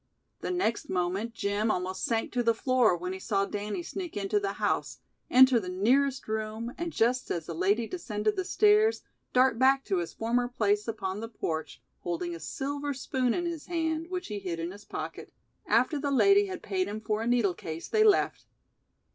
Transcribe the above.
The next moment Jim almost sank to the floor when he saw Danny sneak into the house, enter the nearest room, and just as the lady descended the stairs, dart back to his former place upon the porch, holding a silver spoon in his hand, which he hid in his pocket. After the lady had paid him for a needle case they left.